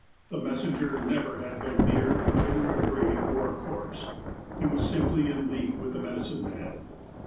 The messenger never had been near either a grave or a corpse. He was simply in league with the medicine man.